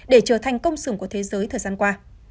để trở thành công sùng của thế giới thời gian qua